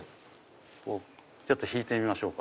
ちょっと弾いてみましょうか。